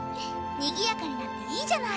にぎやかになっていいじゃない。